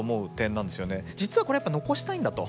実はこれやっぱり残したいんだと。